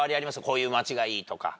こういう街がいいとか。